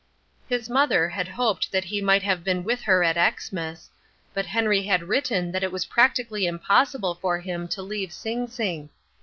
His mother had hoped that he might have been with her at Xmas, but Henry had written that it was practically impossible for him to leave Sing Sing.